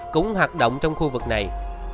cũng hoạt động trong khu vực này